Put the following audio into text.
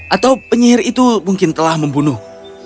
atau penyihir itu mungkin telah membunuh